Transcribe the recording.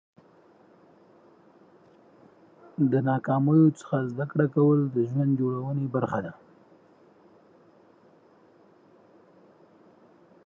د ناکامیو څخه زده کړه کول د ژوند جوړونې برخه ده.